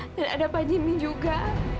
dan ada pak jimmy juga